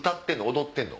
踊ってんの？